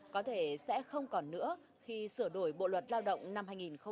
có thể sẽ không còn nữa khi sửa đổi bộ luật lao động năm hai nghìn một mươi năm